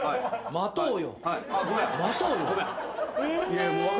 待とうよ。